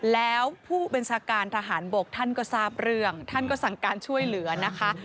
แล้วผู้บัญชาการทหารบกท่านก็ทราบเรื่องท่านก็สั่งการช่วยเหลือนะคะ